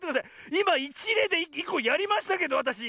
いまいちれいでいっこやりましたけどわたし。